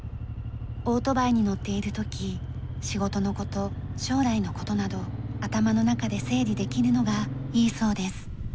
オートバイに乗っている時仕事の事将来の事など頭の中で整理できるのがいいそうです。